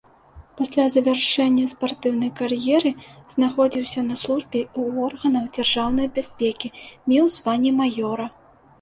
Пасля завяршэння спартыўнай кар'еры знаходзіўся на службе ў органах дзяржаўнай бяспекі, меў званне маёра.